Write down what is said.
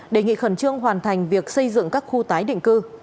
đề nghị khẩn trương hoàn thành việc xây dựng các khu tái định cư